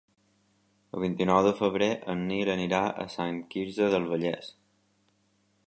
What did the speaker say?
El vint-i-nou de febrer en Nil anirà a Sant Quirze del Vallès.